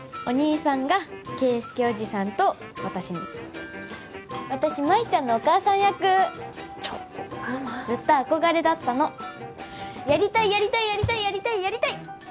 お兄さんが圭介おじさんと私に私麻衣ちゃんのお母さん役ちょっとママずっと憧れだったのやりたいやりたいやりたいやりたいやりたい！